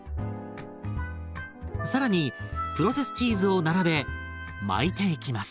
更にプロセスチーズを並べ巻いていきます。